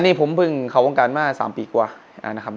ส่วนใหญ่ผมเพิ่งเขาโครงการมา๓ปีกว่า